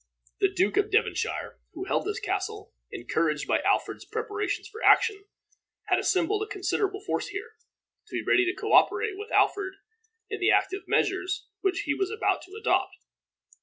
The Duke of Devonshire, who held this castle, encouraged by Alfred's preparations for action, had assembled a considerable force here, to be ready to co operate with Alfred in the active measures which he was about to adopt.